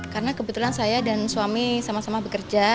karena kebetulan saya dan suami sama sama bekerja